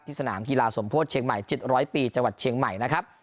สนามกีฬาสมโพธิเชียงใหม่๗๐๐ปีจังหวัดเชียงใหม่นะครับ